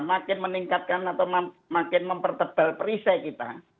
makin meningkatkan atau makin mempertebal perisai kita